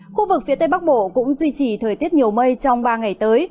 khu vực phía tây bắc bộ cũng duy trì thời tiết nhiều mây trong ba ngày tới